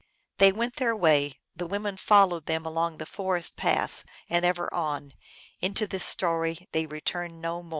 " They went their way ; the women followed them along the forest paths, and ever on. Into this story they return no more.